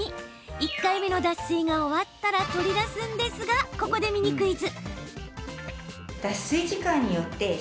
１回目の脱水が終わったら取り出すんですがここでミニクイズ。